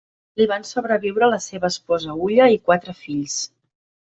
Li van sobreviure la seva esposa Ulla i quatre fills.